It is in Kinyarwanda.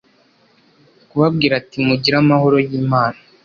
kubabwira ati mugire amahoro yimana